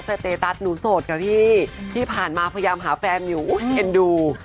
สเตตัสหนูโสดค่ะพี่ที่ผ่านมาพยายามหาแฟนอยู่เอ็นดู